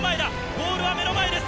ゴールは目の前です。